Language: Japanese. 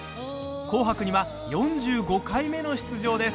「紅白」には４５回目の出場です。